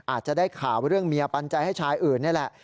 อาจจะได้ข่าวเรื่องเมียปันใจให้ชายอื่นนี่แหละ